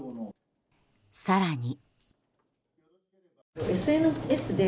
更に。